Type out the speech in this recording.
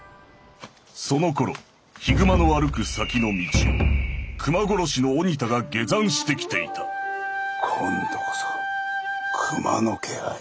そのころ悲熊の歩く先の道を熊殺しの鬼田が下山してきていた今度こそ熊の気配？